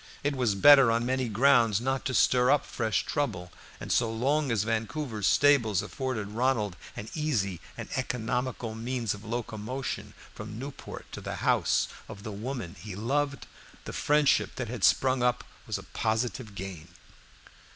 It was better on many grounds not to stir up fresh trouble, and so long as Vancouver's stables afforded Ronald an easy and economical means of locomotion from Newport to the house of the woman he loved, the friendship that had sprung up was a positive gain.